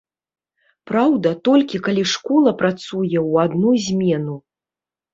Праўда, толькі калі школа працуе ў адну змену.